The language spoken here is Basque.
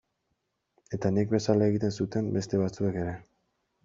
Eta nik bezala egiten zuten beste batzuek ere.